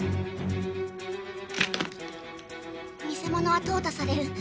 「偽物は淘汰される」